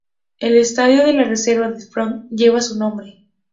El estadio de la reserva del Spartak lleva su nombre.